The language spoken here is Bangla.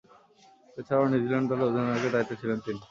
এছাড়াও, নিউজিল্যান্ড দলের অধিনায়কের দায়িত্বে ছিলেন তিনি।